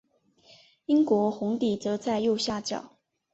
英国红底则在右下角。